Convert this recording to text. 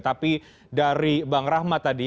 tapi dari bang rahmat tadi